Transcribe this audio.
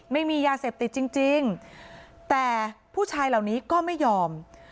ไม่มียาเสพติดจริงแต่ผู้ชายเหล่านี้ก็ไม่ยอม